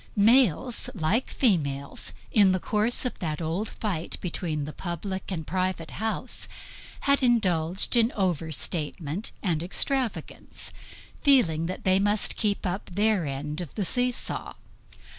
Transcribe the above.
Males, like females, in the course of that old fight between the public and private house, had indulged in overstatement and extravagance, feeling that they must keep up their end of the see saw.